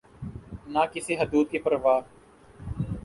نہ کسی حدود کی پروا۔